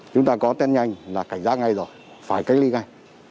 chúng ta có tên nhanh là cảnh giá ngay rồi phải cách ly ngay